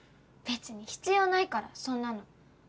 別に必要ないからそんなの。